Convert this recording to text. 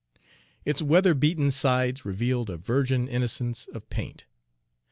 Its weather beaten sides revealed a virgin innocence of paint.